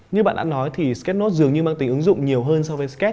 như bạn đã nói thì sketch note dường như mang tính ứng dụng nhiều hơn so với sketch